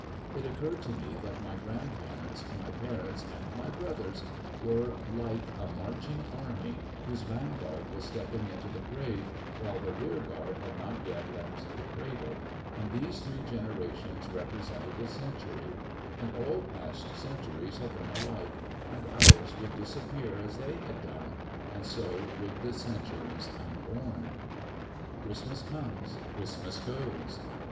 It occurred to me that my grandparents, my parents, and my brothers were like a marching army whose vanguard was stepping into the grave, while the rearguard had not yet left the cradle; and these three generations represented a century; and all past centuries had been alike, and ours would disappear as they had done, and so would the centuries unborn. "Christmas comes, Christmas goes."